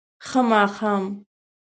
ښه ماښام